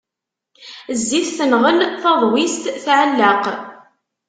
Zzit tenɣel, taḍwist tɛelleq.